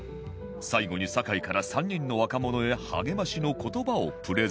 最後に酒井から３人の若者へ励ましの言葉をプレゼント